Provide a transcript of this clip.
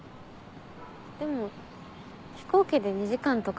でも飛行機で２時間とか